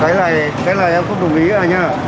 cái này em không đồng ý anh ạ